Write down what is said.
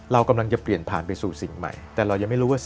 เรากำลังจะเปลี่ยนผ่านไปสู่สิ่งใหม่